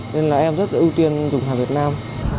nên là em rất ưu tiên dùng hàng việt nam